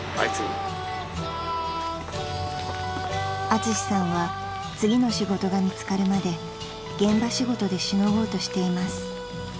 ［アツシさんは次の仕事が見つかるまで現場仕事でしのごうとしています］